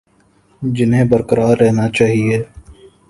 جنہیں برقرار رہنا چاہیے